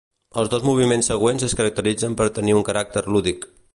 Els dos moviments següents es caracteritzen per tenir un caràcter lúdic.